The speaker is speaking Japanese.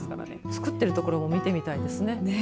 作ってるところも見てみたいですね。